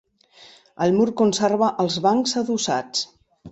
El mur conserva els bancs adossats.